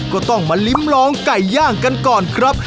ก็ต้องมาลิ้มลองไก่ย่างกันก่อนครับ